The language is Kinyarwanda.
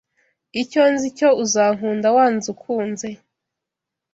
Icyonzi cyo uzankunda wanze ukunze